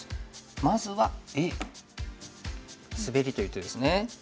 まずはＡスベリという手ですね。